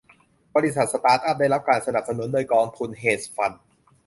บริษัทสตาร์ตอัพได้รับการสนับสนุนโดยกองทุนเฮดจ์ฟันด์